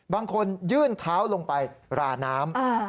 บางคนยื่นเท้าลงไปราน้ำ